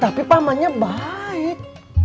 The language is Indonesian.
tapi pamannya baik